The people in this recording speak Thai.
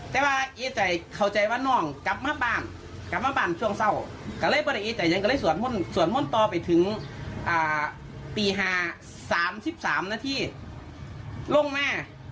แต่ว่าเอ๋จัยเข้าใจว่าน่องกลับมาบ้านช่วงเศร้าก็เลยสวดมนต์ต่อไปถึงปีหา๓๓นาทีลงแม่